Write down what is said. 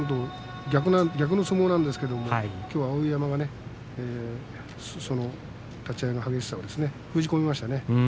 逆の相撲なんですけれどもきょうは碧山が立ち合いの激しさを封じ込めましたね。